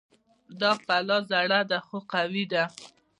دا کلا زړه ده خو قوي ده